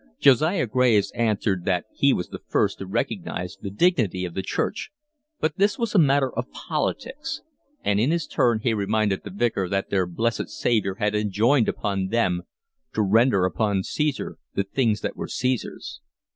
Josiah Graves answered that he was the first to recognise the dignity of the church, but this was a matter of politics, and in his turn he reminded the Vicar that their Blessed Saviour had enjoined upon them to render unto Caesar the things that were Caesar's.